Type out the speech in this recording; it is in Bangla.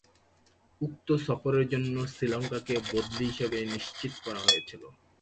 উক্ত সফরের জন্য শ্রীলঙ্কাকে বদলি হিসাবে নিশ্চিত করা হয়েছিল।